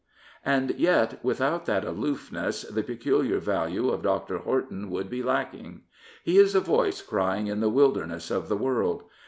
And yet without that aloofness the peculiar value of Dr. Horton would be lacking. He is a voice crying in the wilderness of the world.